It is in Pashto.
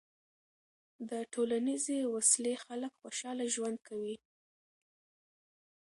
د ټولنیزې وصلۍ خلک خوشحاله ژوند کوي.